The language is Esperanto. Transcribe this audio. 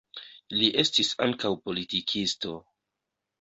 Li estis ankaŭ politikisto.